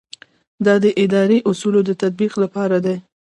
دا د اداري اصولو د تطبیق لپاره دی.